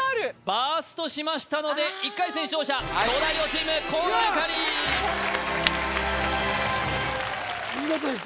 バーストしましたので１回戦勝者東大王チーム河野ゆかりよし！